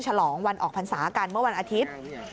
ฉลองวันออกพรรษากันเมื่อวันอาทิตย์